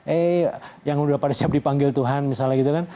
eh yang udah pada siap dipanggil tuhan misalnya gitu kan